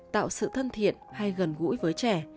tạo sự thân thiện hay gần gũi với trẻ